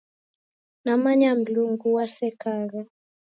Namanya Mlungu wasekagha.